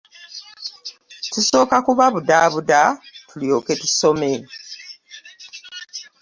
Tusooka kubabudaabuda tulyoke tusome.